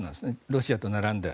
ロシアと並んで。